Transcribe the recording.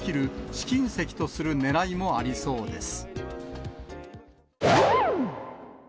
試金石とするねらいもありそうです。